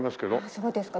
そうですか。